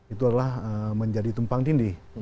itu adalah menjadi tumpang tindih